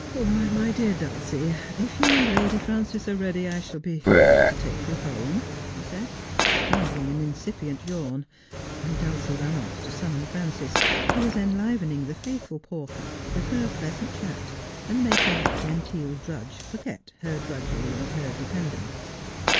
' My dear Dulcie, if you and Lady Frances are ready, I shall be glad to take you home,' he said, strangling an incipient yawn, and Dulcie ran off to summon Frances, who was enliven ing the faithful Pawker with her pleasant chat, and making that genteel drudge forget her drudgery and her dependence.